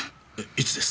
いつです？